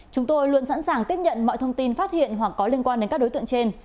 chúng tôi luôn sẵn sàng tiếp nhận mọi thông tin phát hiện hoặc có liên quan đến các đối tượng trên